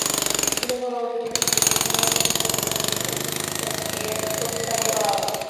ভুলে ভরা অতীতের ডিএসই সাধারণ সূচকের স্থলে ডিএসইএক্স প্রতিস্থাপন করা হয়।